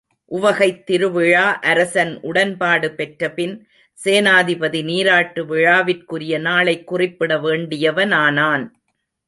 உவகைத் திருவிழா அரசன் உடன்பாடு பெற்றபின் சேனாபதி நீராட்டு விழாவிற்குரிய நாளைக் குறிப்பிட வேண்டியவனானான்.